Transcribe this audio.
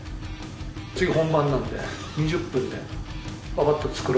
次本番なんで２０分でパパッと作ろうかな。